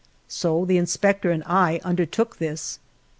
So the inspector and I undertook this.